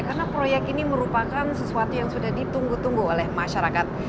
karena proyek ini merupakan sesuatu yang sudah ditunggu tunggu oleh masyarakat